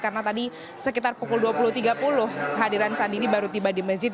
karena tadi sekitar pukul dua puluh tiga puluh hadiran sandi ini baru tiba di masjid